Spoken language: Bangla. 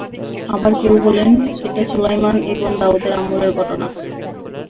আবার কেউ বলেন, এটা সুলায়মান ইবন দাউদের আমলের ঘটনা।